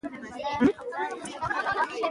که یو کلیمه زیاته وکاروې کلیشه ورته وايي.